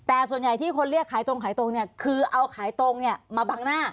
แต่ส่วนใหญ่ที่คนเรียกขายตรงขายตรงเนี่ยคือเอาขายตรงเนี่ยมาบังหน้า